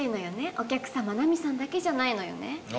お客様ナミさんだけじゃないのよね。